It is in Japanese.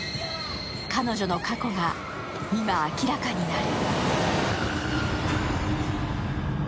彼女の過去が今、明らかになる。